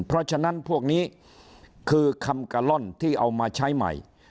เพราะฉะนั้นพวกนี้คือคำกะล่อนที่เอามาใช้ใหม่